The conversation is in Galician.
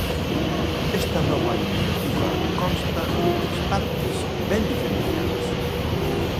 Esta nova iniciativa consta de tres partes ben diferenciadas.